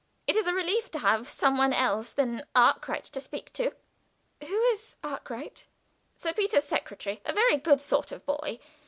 "It is a relief to have some one else than Arkwright to speak to." "Who is Arkwright?" "Sir Peter's secretary a very good sort of boy.